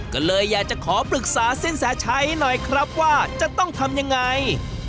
ก็เลยอยากจะขอปรึกษาสินแสชัยหน่อยครับว่าจะต้องทำยังไง